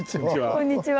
こんにちは。